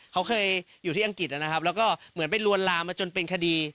เขาเคยอยู่ที่อังกฤษนะครับแล้วก็เหมือนไปลวนลามมาจนเป็นคดี